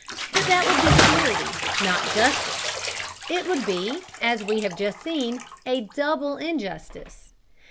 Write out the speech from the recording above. But that would be charity, not justice. It would be, as we have just seen, a double injustice.